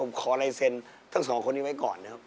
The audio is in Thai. ผมขอลายเซ็นทั้งสองคนนี้ไว้ก่อนนะครับ